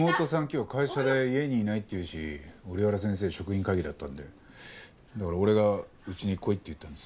今日会社で家にいないっていうし折原先生職員会議だったんでだから俺がうちに来いって言ったんです。